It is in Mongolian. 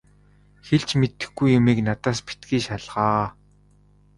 Хэлж мэдэхгүй юмыг надаас битгий шалгаа.